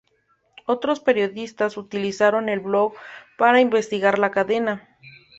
Otros periodistas utilizaron el blog para investigar la cadena.